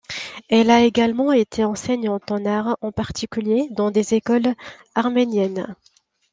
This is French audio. Elle a également été enseignante en arts en particulier dans des écoles arméniennes.